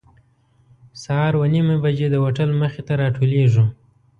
سهار اوه نیمې بجې د هوټل مخې ته راټولېږو.